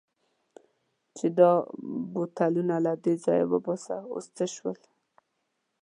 چې دا بوتلونه له دې ځایه وباسه، اوس څه شول؟